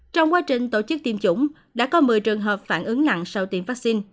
trong quá trình tổ chức tiêm chủng đã có một mươi trường hợp phản ứng nặng sau tiêm vaccine